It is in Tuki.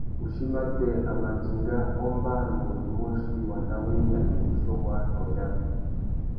Wuchí matê, a mà dinga a ombāna ungôndômôchï wanda wa enga nà wuchiô wa atõh yâā.